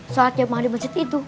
sholat yang ada di masjid itu